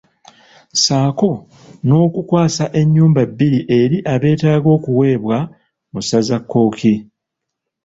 Ssaako n’okukwasa ennyumba bbiri eri abeetaaga okuweebwa mu ssaza Kkooki.